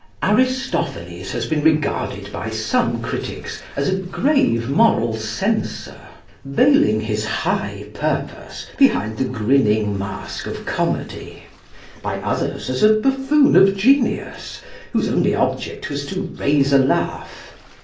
Aristophanes has been regarded by some critics as a grave moral censor, veiling his high purpose behind the grinning mask of comedy; by others as a buffoon of genius, whose only object was to raise a laugh.